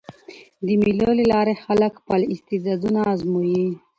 د مېلو له لاري خلک خپل استعدادونه آزمويي.